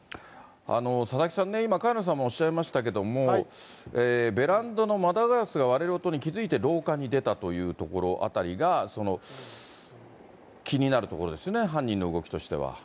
佐々木さんね、今、萱野さんもおっしゃいましたけど、ベランダの窓ガラスが割れる音に気付いて廊下に出たというところあたりが気になるところですね、犯人の動きとしては。